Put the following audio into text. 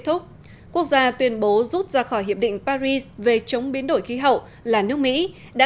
thúc quốc gia tuyên bố rút ra khỏi hiệp định paris về chống biến đổi khí hậu là nước mỹ đã